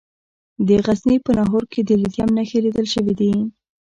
د غزني په ناهور کې د لیتیم نښې لیدل شوي دي.